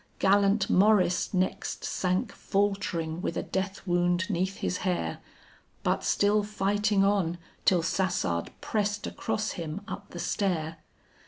Gallant Maurice next sank faltering with a death wound 'neath his hair, But still fighting on till Sassard pressed across him up the stair.